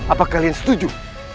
apa kalian setuju